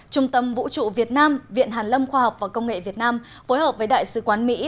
trung tâm vũ trụ việt nam viện hàn lâm khoa học và công nghệ việt nam phối hợp với đại sứ quán mỹ